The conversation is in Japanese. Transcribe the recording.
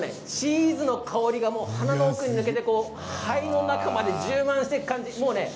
チーズの香りが鼻の奥にして肺の中に充満している感じです。